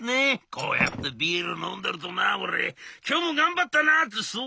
「こうやってビール飲んでるとな俺今日も頑張ったなってそう思えんだよ。